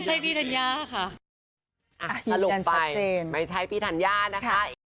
ใช่เป็นพี่ทัญญาไม่ใช่พี่ธัญญาค่ะ